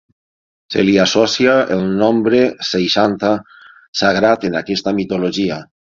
Se li associa el nombre seixanta, sagrat en aquesta mitologia.